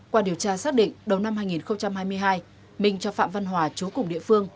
qua điều tra xác định đầu năm hai nghìn hai mươi hai minh cho phạm văn hòa chú cùng địa phương